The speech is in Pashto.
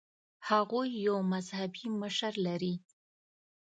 هغوی یو مذهبي مشر لري.